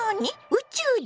宇宙人？